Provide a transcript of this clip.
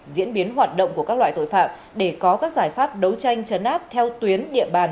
diễn biến hoạt động của các loại tội phạm để có các giải pháp đấu tranh chấn áp theo tuyến địa bàn